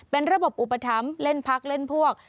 เป็นระบบอุปถัมภ์เล่นพักเล่นพวก